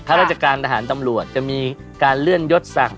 ธรรจการทหารตำรวจจะมีการเลื่อนยดศักดิ์